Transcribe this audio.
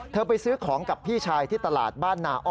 ไปซื้อของกับพี่ชายที่ตลาดบ้านนาอ้อ